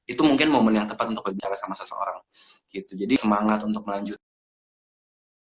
itu mungkin momen yang tepat untuk berjalan jadi semangat untuk melanjutkan ketid zitkan mengatakan bahwa kita sendiri hari hari kita